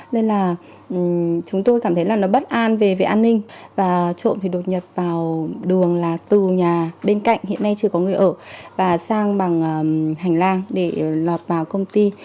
nên là chúng tôi cảm thấy là nó bất an về vệ an ninh và trộm thì đột nhập vào đường là từ nhà bên cạnh hiện nay chưa có người ở và sang bằng hành lang để lọt vào công ty